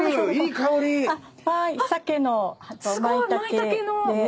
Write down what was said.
マイタケの。